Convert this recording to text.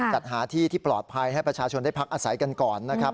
จัดหาที่ที่ปลอดภัยให้ประชาชนได้พักอาศัยกันก่อนนะครับ